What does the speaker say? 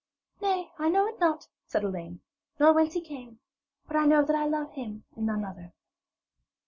'Nay, I know it not,' said Elaine, 'nor whence he came. But I know that I love him and none other.'